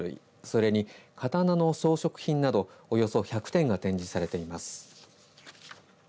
それに、刀の装飾品などおよそ１００点が展示されています。